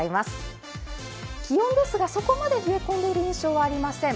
気温ですが、そこまで冷え込んでいる印象はありません。